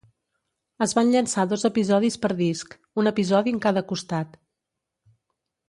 Es van llançar dos episodis per disc, un episodi en cada costat.